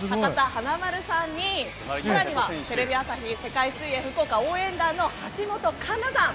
華丸さんもいて更にはテレビ朝日世界水泳福岡応援団の橋本環奈さん。